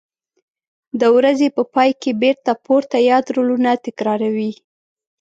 د ورځې په پای کې بېرته پورته یاد رولونه تکراروي.